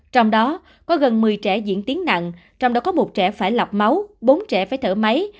trong đó có gần một mươi trẻ diễn tiến nặng trong đó có một trẻ phải lọc máu bốn trẻ phải thở máy